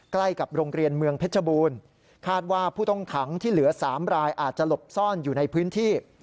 ใกล้กับโรงเรียนเมืองเพชรบูรณ์คาดว่าผู้ต้องขังที่เหลือ๓รายอาจจะหลบซ่อนอยู่ในพื้นที่